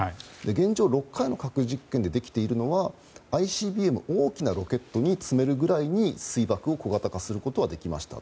現状、６回の核実験でできているのはＩＣＢＭ、大きなロケットに積めるくらいに水爆を小型化することはできました。